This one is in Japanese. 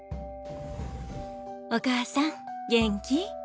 お母さん元気？